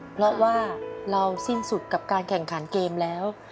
เพราะว่าเราสิ้นสุดกับการแข่งขันเกมแล้ว